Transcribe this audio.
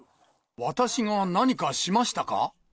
私が何かしましたか？